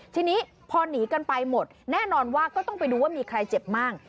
ทีนี้พอหนีกันไปหมดแน่นอนว่าก็ต้องไปดูว่ามีใครเจ็บบ้าง